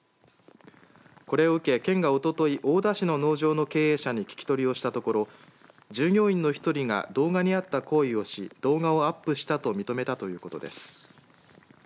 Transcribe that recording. これを受け、県がおととい大田市の農場の経営者に聞き取りをしたところ従業員の１人が動画にあった行為をし動画をアップしたと認めたということです。